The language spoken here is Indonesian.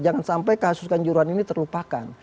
jangan sampai kasus kanjuruhan ini terlupakan